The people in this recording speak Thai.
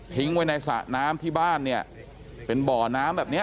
ไว้ในสระน้ำที่บ้านเนี่ยเป็นบ่อน้ำแบบเนี้ย